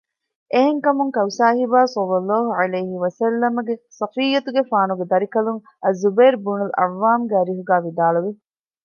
އެހެންކަމުން ކައުސާހިބާ ޞައްލަﷲ ޢަލައިހި ވަސައްލަމަގެ ޞަފިއްޔަތުގެފާނުގެ ދަރިކަލުން އައްޒުބައިރު ބުނުލް ޢައްވާމުގެ އަރިހުގައި ވިދާޅުވި